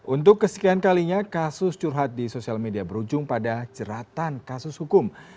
untuk kesekian kalinya kasus curhat di sosial media berujung pada jeratan kasus hukum